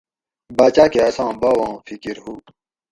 باچاۤ کہ اساں باواں فکر ہُو